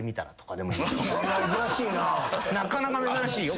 なかなか珍しいよ。